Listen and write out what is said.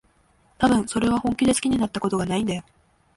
たぶん、それは本気で好きになったことがないんだよ。